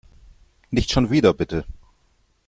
Nicht schon wieder, bitte.